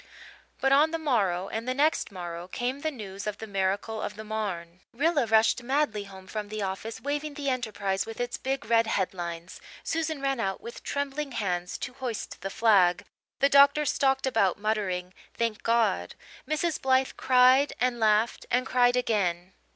But on the morrow and the next morrow came the news of the miracle of the Marne. Rilla rushed madly home from the office waving the Enterprise with its big red headlines. Susan ran out with trembling hands to hoist the flag. The doctor stalked about muttering "Thank God." Mrs. Blythe cried and laughed and cried again.